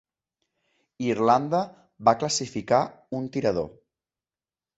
Irlanda va classificar un tirador.